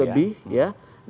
sembilan puluh lebih ya